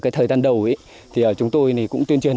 thời gian đầu chúng tôi cũng tuyên truyền